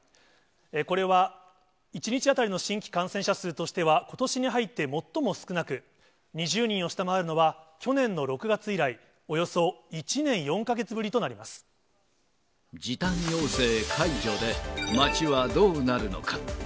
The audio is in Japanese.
これは、１日当たりの新規感染者数としてはことしに入って最も少なく、２０人を下回るのは、去年の６月以来、およそ１年４か月ぶりとな時短要請解除で、街はどうなるのか。